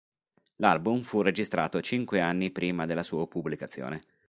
L'album fu registrato cinque anni prima della sua pubblicazione.